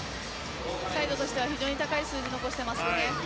サイドとしては非常に高い数字残していますね。